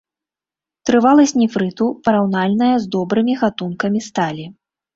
Трываласць нефрыту параўнальная з добрымі гатункамі сталі.